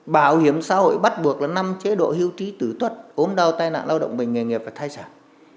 bảo hiểm xã hội bắt buộc là năm chế độ hưu trí tử tuất ốm đau tai nạn lao động bệnh nghề nghiệp và thai sản